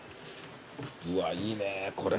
うわいいねこれ。